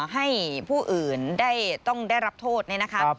ให้ผู้อื่นต้องได้รับโทษนะครับ